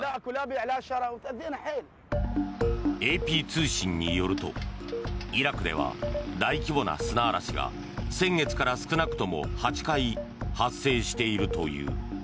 ＡＰ通信によるとイラクでは、大規模な砂嵐が先月から少なくとも８回発生しているという。